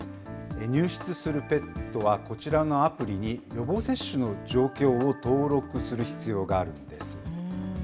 入室するペットは、こちらのアプリに、予防接種の状況を登録する必要があるんです。